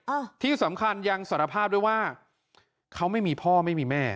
อ่าที่สำคัญยังสารภาพด้วยว่าเขาไม่มีพ่อไม่มีแม่